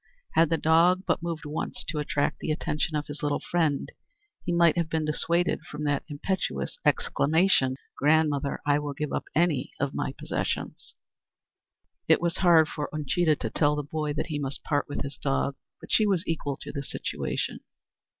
Had the dog but moved once to attract the attention of his little friend, he might have been dissuaded from that impetuous exclamation: "Grandmother, I will give up any of my possessions!" It was hard for Uncheedah to tell the boy that he must part with his dog, but she was equal to the situation.